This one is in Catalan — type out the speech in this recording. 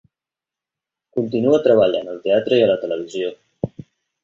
Continua treballant al teatre i a la televisió.